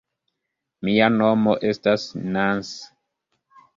Mia nomo estas Nans.